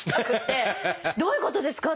どういうことですか？